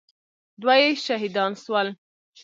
دوه يې شهيدان سول.